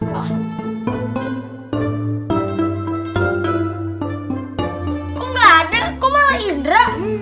kok gak ada kok malah indra